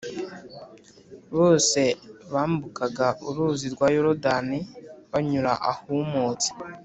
bose bambukaga Uruzi rwa Yorodani banyura ahumutse